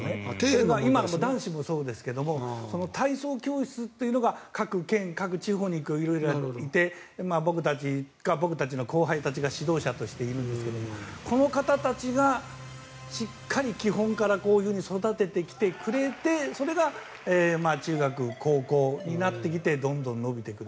今は男子もそうですが体操教室が各県、各地方に色々いて、僕たちの後輩たちが指導者としているんですけどこの方たちがしっかり基本からこういうふうに育ててきてくれてそれが中学、高校になってきてどんどん伸びてくる。